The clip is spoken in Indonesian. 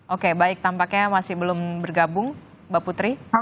oke baik tampaknya masih belum bergabung mbak putri